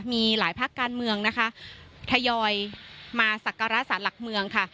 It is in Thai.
มีหลายภาคการเมืองนะคะทยอยมาสักการะสารหลักเมืองค่ะ